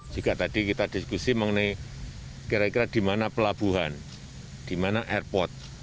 jika tadi kita diskusi mengenai kira kira di mana pelabuhan di mana airport